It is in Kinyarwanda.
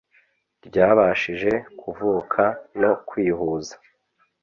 ryabashije kuvuka no kwihuza